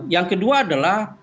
yang kedua adalah